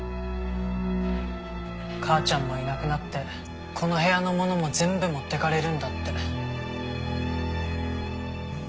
母ちゃんもいなくなってこの部屋の物も全部持っていかれるんだって。